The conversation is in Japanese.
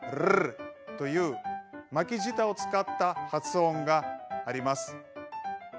という巻き舌を使った発音があります。